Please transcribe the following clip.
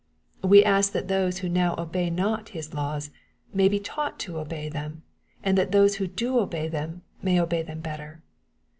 We ask that those who now obey not His laws, may be taught to obey them, and that those who do obey them, may obey them better.